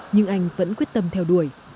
nhưng anh vẫn quyết tâm theo đuổi